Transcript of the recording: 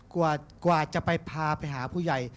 กว่าจะไปพาไปหาผู้ใหญ่